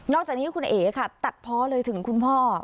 จากนี้คุณเอ๋ค่ะตัดเพาะเลยถึงคุณพ่อ